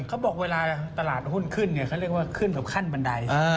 เขาบอกเวลาตลาดหุ้นขึ้นเขาเรียกว่าขึ้นกับขั้นบันได